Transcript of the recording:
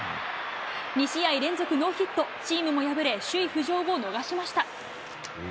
２試合連続ノーヒット、チームも敗れ、首位浮上を逃しました。